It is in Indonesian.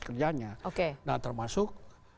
kerjaannya nah termasuk